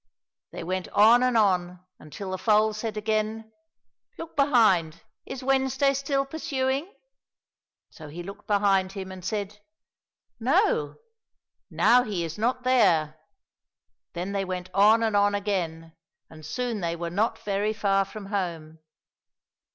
They went on and on, until the foal said again, '' Look behind, is Wednesday still pursuing ?"— So he looked behind him and said, " No, now he is not there." Then they went on and on again, and soon they were not very far from home.